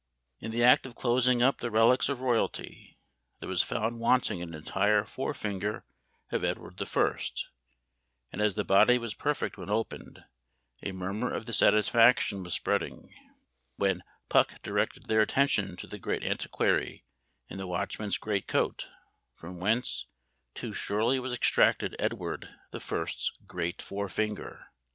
In the act of closing up the relics of royalty, there was found wanting an entire fore finger of Edward the First; and as the body was perfect when opened, a murmur of dissatisfaction was spreading, when "Puck" directed their attention to the great antiquary in the watchman's great coat from whence too surely was extracted Edward the First's great fore finger!